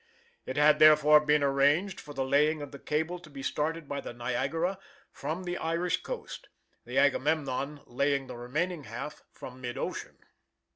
It had, therefore, been arranged for the laying of the cable to be started by the Niagara from the Irish coast, the Agamemnon laying the remaining half from mid ocean.